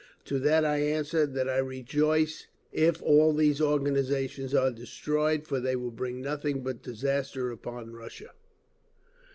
To that I answer that I rejoice if all these organisations are destroyed; for they will bring nothing but disaster upon Russia….